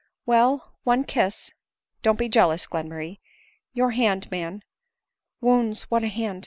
" Well, one kiss :— don't be jealous, Glenmurray. Your hand, man. Woons, what a hand